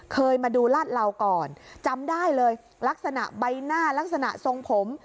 เคยมาดูลาดเหลาก่อนจำได้เลยลักษณะใบหน้าลักษณะทรงผม